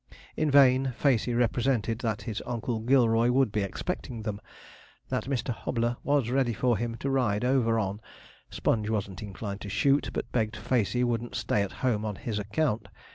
In vain Facey represented that his Oncle Gilroy would be expecting them; that Mr. Hobler was ready for him to ride over on; Sponge wasn't inclined to shoot, but begged Facey wouldn't stay at home on his account.